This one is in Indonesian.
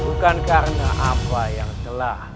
bukan karena apa yang telah